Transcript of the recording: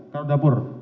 taruh di dapur